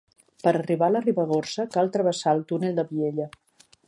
Per arribar a la Ribagorça cal travessar el túnel de Vielha.